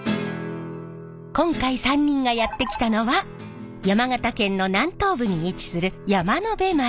今回３人がやって来たのは山形県の南東部に位置する山辺町。